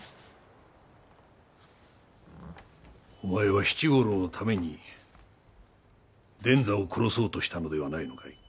お前は七五郎のために伝左を殺そうとしたのではないのかい？